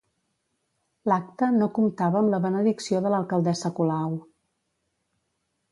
L'acte no comptava amb la benedicció de l'alcaldessa Colau.